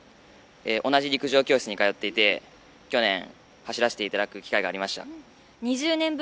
同じ陸上教室に通っていて去年走らせていただく機会がありました。